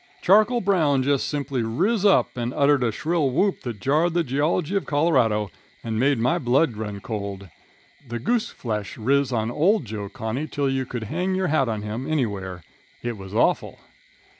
"Charcoal Brown jest simply riz up and uttered a shrill whoop that jarred the geology of Colorado, and made my blood run cold. The goose flesh riz on old Joe Connoy till you could hang your hat on him anywhere. It was awful.